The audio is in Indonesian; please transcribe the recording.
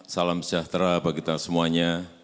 salam sejahtera bagi kita semuanya